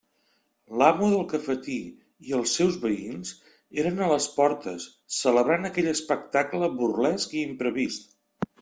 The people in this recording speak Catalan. L'amo del cafetí i els seus veïns eren a les portes, celebrant aquell espectacle burlesc i imprevist.